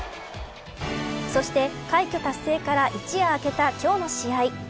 そして快挙達成から一夜明けた今日の試合。